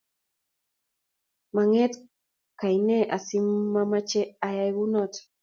manget kole kaine asimache ayay kunoto